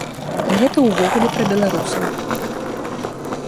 Гэта ўвогуле пра беларусаў.